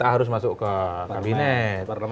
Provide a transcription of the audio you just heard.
harus masuk ke kabinet pertama